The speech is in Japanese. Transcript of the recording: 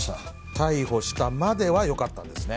逮捕したまではよかったんですね。